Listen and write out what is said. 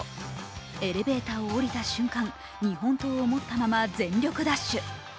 エレベーターを降りた瞬間日本刀を持ったまま全力ダッシュ。